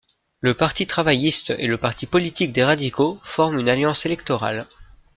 Le Parti travailliste et le Parti politique des radicaux forment une alliance électorale.